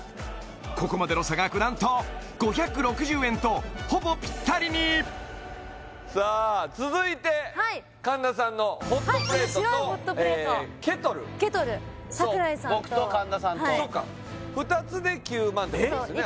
ここまでの差額何と５６０円とほぼぴったりにさあ続いてはい神田さんのホットプレートとはいこの白いホットプレートケトルケトル櫻井さんと僕と神田さんとそうか２つで９万ってことですよね